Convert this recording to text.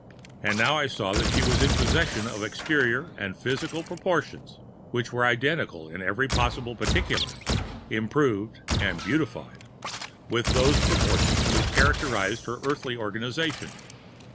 And now I saw that she was in possession of exterior and physical proportions, which were identical, in every possible particular—improved and beautified—with those proportions which characterized her earthly organization.